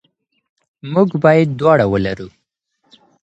موږ باید دواړه ولرو.